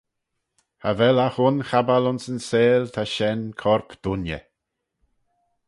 Cha vel agh un chabal ayns yn seihll ta shen corp dooinney.